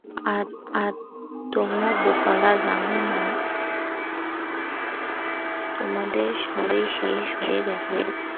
আর তোমরা বোকারা জানো না তোমাদের সময় কবেই শেষ হয়ে গেছে।